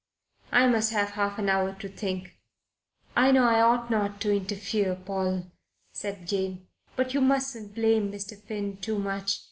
I must have half an hour to think." "I know I oughtn't to interfere, Paul," said Jane, "but you mustn't blame Mr. Finn too much.